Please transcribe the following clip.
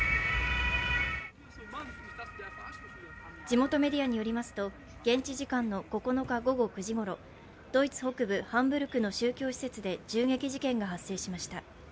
地元メディアによりますと、現地時間の９日午後９時ごろドイツ北部ハンブルクの宗教施設で銃撃事件が発生しました。